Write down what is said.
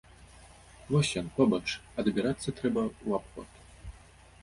Вось ён, побач, а дабірацца трэба ў абход.